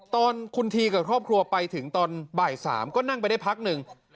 ตอนคุณทีกับครอบครัวไปถึงตอนบ่าย๓ก็นั่งไปได้พักหนึ่ง